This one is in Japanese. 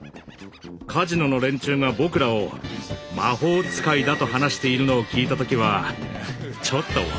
カジノの連中が僕らを魔法使いだと話しているのを聞いた時はちょっと笑ったね。